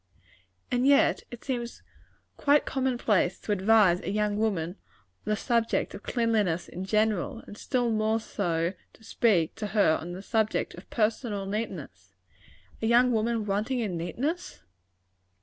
And yet it seems quite common place to advise a young woman on the subject of cleanliness in general; and still more so, to speak to her on the subject of personal neatness. A young woman wanting in neatness!